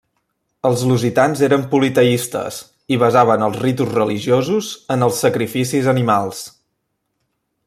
Els lusitans eren politeistes i basaven els ritus religiosos en els sacrificis animals.